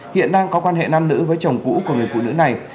hiện đang có quan hệ nam nữ với chồng cũ của người phụ nữ này